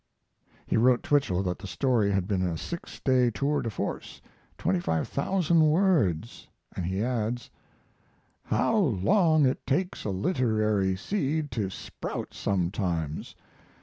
He wrote Twichell that the story had been a six day 'tour de force', twenty five thousand words, and he adds: How long it takes a literary seed to sprout sometimes!